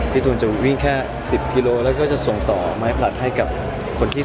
พี่ตูลจะวิ่งแค่สิบกิโลแล้วจะส่งต่อไม้ผลัสให้กับคนที่สามารถสร้าง